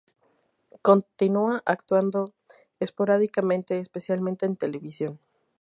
Continúa actuando esporádicamente, especialmente en televisión.